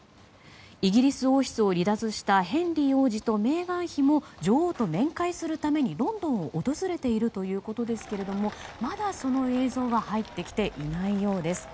イギリス王室を離脱したヘンリー王子とメーガン妃も女王と面会するためにロンドンを訪れているということですけれどまだその映像が入ってきていないようです。